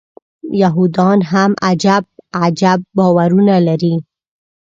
یهودان هم عجب عجب باورونه لري.